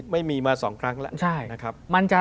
ไม่มีมาสองครั้งแล้ว